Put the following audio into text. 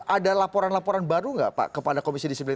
ada laporan laporan baru nggak pak kepada komisi disiplin